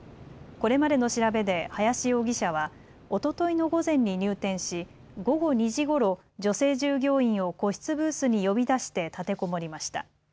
これまでの調べで林容疑者はおとといの午前に入店し午後２時ごろ、女性従業員を個室ブースに呼び出して立てこもりました。